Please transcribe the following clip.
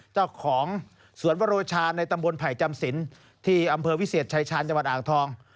เจ้าของสวนวโรชาในตำบลไผ่จำสินที่อำเภอวิเศษชายชาญจังหวัดอ่างทอง